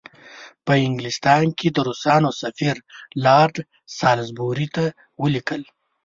په انګلستان کې د روسانو سفیر لارډ سالیزبوري ته ولیکل.